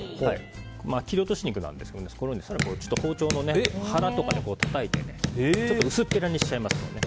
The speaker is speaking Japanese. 切り落とし肉なんですけども更に包丁の腹とかでたたいて薄っぺらにしちゃいます。